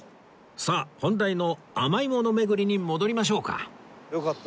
さあ本題の甘いもの巡りに戻りましょうか